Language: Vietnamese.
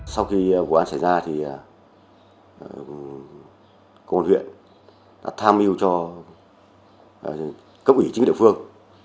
sau khi vụ án xảy ra thì công an huyện đã tham mưu cho cấp ủy chính địa phương